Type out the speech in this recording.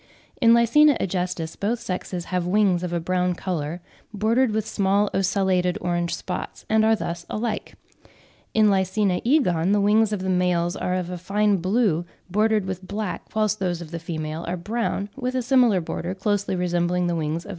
In Lycaena agestis both sexes have wings of a brown colour, bordered with small ocellated orange spots, and are thus alike. In L. oegon the wings of the males are of a fine blue, bordered with black, whilst those of the female are brown, with a similar border, closely resembling the wings of L.